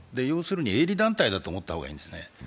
要するに、営利団体だと思った方がいいんですね。